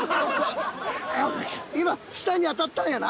今下に当たったんやな。